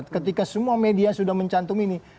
ketika semua media sudah mencantum ini